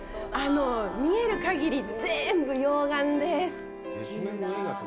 見える限り全部溶岩です。